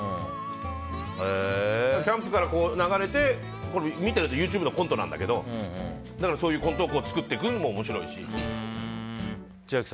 キャンプから流れて見てると見てると、ＹｏｕＴｕｂｅのコントなんだけどそういうコントを作っていくのも面白いし。